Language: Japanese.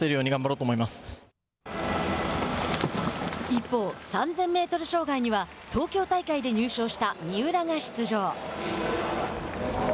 一方、３０００メートル障害には東京大会で入賞した三浦が出場。